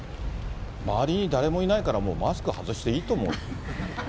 周りに誰もいないから、マスク外していいと思う。